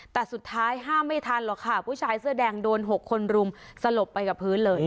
แต่สุดท้ายห้ามไม่ทันหรอกค่ะผู้ชายเสื้อแดงโดน๖คนรุมสลบไปกับพื้นเลย